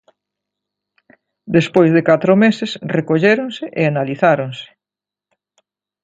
Despois de catro meses, recolléronse e analizáronse.